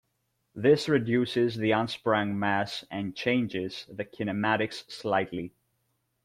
This reduces the unsprung mass and changes the kinematics slightly.